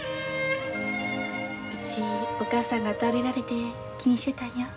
うちおかあさんが倒れられて気にしてたんよ。